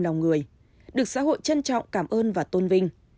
lòng người được xã hội trân trọng cảm ơn và tôn vinh